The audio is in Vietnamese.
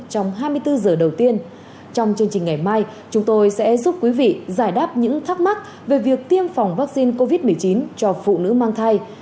chính ngày mai chúng tôi sẽ giúp quý vị giải đáp những thắc mắc về việc tiêm phòng vaccine covid một mươi chín cho phụ nữ mang thai